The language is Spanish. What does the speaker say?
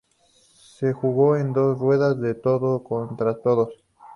Se jugó en dos ruedas de todos contra todos.